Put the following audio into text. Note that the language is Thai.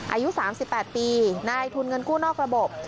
อายุสามสิบแปดปีนายทุนเงินกู้นอกระบบ